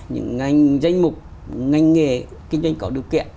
những ngành danh mục ngành nghề kinh doanh có điều kiện